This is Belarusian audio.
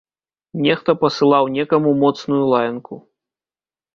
Нехта пасылаў некаму моцную лаянку.